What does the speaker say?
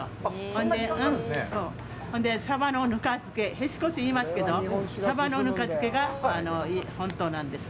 ほんで、サバのぬか漬け、「へしこ」って言いますけど、サバのぬか漬けが本当なんです。